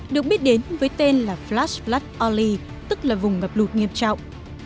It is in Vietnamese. được biết đến với tên là flash flood alley tức là vùng ngập lụt nghiêm trọng